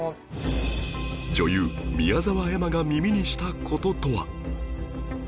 女優宮澤エマが耳にした事とは